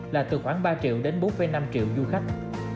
là từ khoảng ba triệu đến bốn năm triệu du khách